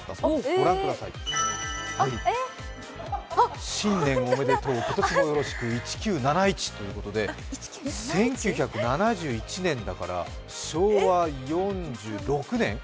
ご覧ください、「新年おめでとう今年もよろしく１９７１」ということで１９７１年だから昭和４６年。